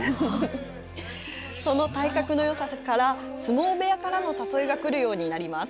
その体格のよさから相撲部屋からの誘いがくるようになります。